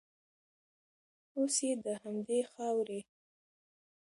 اوس یې د همدې خاورې